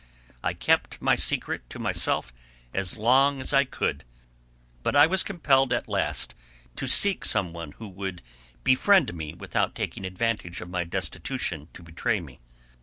I kept my secret to myself as long as I could, but I was compelled at last to seek some one who would befriend me without taking advantage of my destitution to betray me.